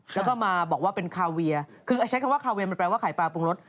แล้วก็มาบอกว่าเป็นคาเวียคือใช้คำว่าคาเวียมันแปลว่าไข่ปลาปรุงรส